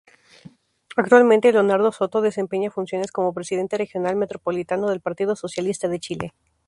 Actualmente Leonardo Soto desempeña funciones como Presidente Regional Metropolitano del Partido Socialista de Chile.